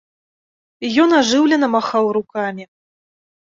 Ён ажыўлена махаў рукамі.